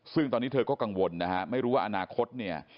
ซึ่งตอนนี้เธอก็กังวลนะฮะไม่รู้ว่าอนาคตเนี่ย